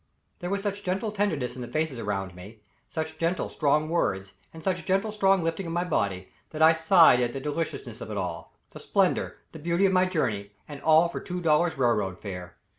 There was such gentle tenderness in the faces around me, such gentle, strong words, and such gentle, strong lifting of my body, that I sighed at the deliciousness of it all the splendor, the beauty of my journey and all for two dollars' railroad fare.